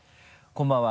こんばんは。